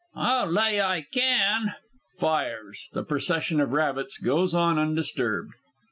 I'll lay I can! [_Fires. The procession of rabbits goes on undisturbed.